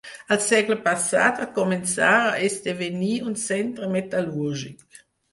Al segle passat va començar a esdevenir un centre metal·lúrgic.